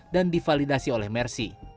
dan divalidasi oleh mercy